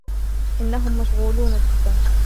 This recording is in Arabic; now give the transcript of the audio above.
انهم مشغولون جدا.